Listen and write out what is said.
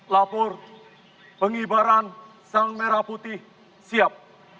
lapor pengibaran sang merah putih siap